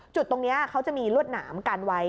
จุดตรงนี้เขาจะมีลวดหนามกันไว้